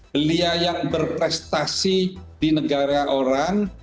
beliau yang berprestasi di negara orang